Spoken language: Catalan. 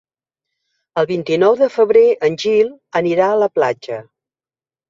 El vint-i-nou de febrer en Gil anirà a la platja.